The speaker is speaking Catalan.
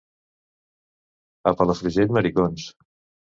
A Palafrugell, maricons.